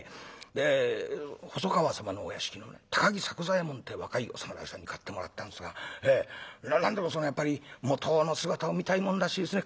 で細川様のお屋敷のね高木作久左右衛門って若いお侍さんに買ってもらったんですが何でもやっぱり元の姿を見たいもんらしいですね。